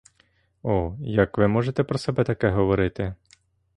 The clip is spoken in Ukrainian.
О, як ви можете про себе таке говорити!